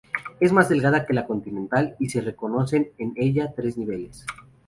Es más delgada que la continental y se reconocen en ella tres niveles.